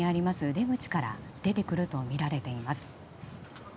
出口から出てくるとみられています。